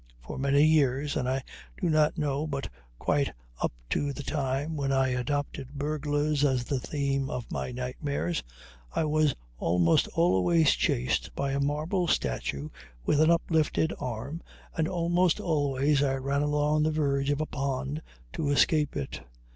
For many years, and I do not know but quite up to the time when I adopted burglars as the theme of my nightmares, I was almost always chased by a marble statue with an uplifted arm, and almost always I ran along the verge of a pond to escape it.